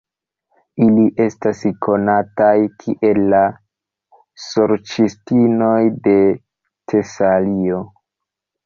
Ili estas konataj kiel la Sorĉistinoj de Tesalio.